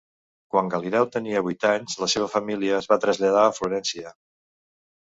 Quan Galileu tenia vuit anys la seva família es va traslladar a Florència.